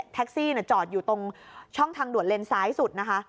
แท็กซี่จอดอยู่ตรงช่องทางด่วนเลนซ้ายสุดนะคะ